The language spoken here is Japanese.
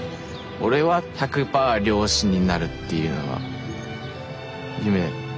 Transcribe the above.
俺は１００パー漁師になるっていうのが夢。